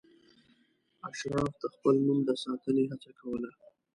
اشراف د خپل نوم د ساتنې هڅه کوله.